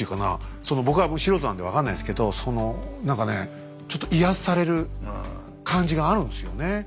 その僕はもう素人なんで分かんないですけどその何かねちょっと威圧される感じがあるんですよね。